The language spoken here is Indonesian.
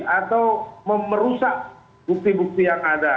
atau merusak bukti bukti yang ada